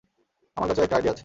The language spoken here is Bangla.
আমার কাছেও একটা আইডিয়া আছে।